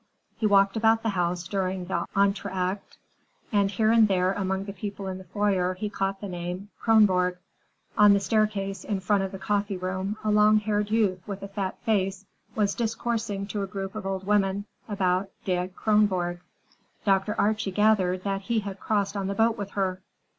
He walked about the house during the entr'acte, and here and there among the people in the foyer he caught the name "Kronborg." On the staircase, in front of the coffeeroom, a long haired youth with a fat face was discoursing to a group of old women about "die Kronborg." Dr. Archie gathered that he had crossed on the boat with her.